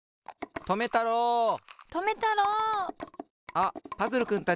あっパズルくんたち。